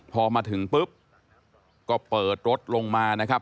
พอมาถึงปุ๊บก็เปิดรถลงมานะครับ